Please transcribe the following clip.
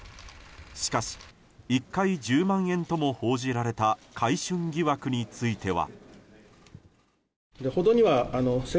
しかし１回１０万円とも報じられた買春疑惑については。